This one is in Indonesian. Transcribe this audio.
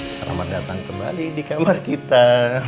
selamat datang kembali di kamar kita